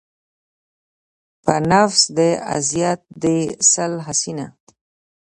يو نٙفٙس د اذيت دې سل حسينه